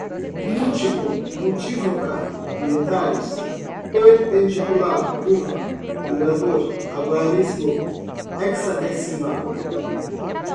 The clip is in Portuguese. multiplicador, multiplicando, múltiplo, multívoca, monetários, perpendicular, curva, numerador, algarismos, hexadecimal